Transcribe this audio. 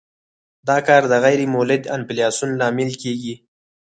دا کار د غیر مولد انفلاسیون لامل کیږي.